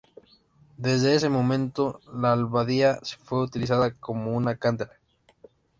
Desde ese momento, la abadía fue utilizada como una cantera.